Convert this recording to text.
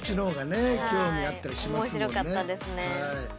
面白かったですね。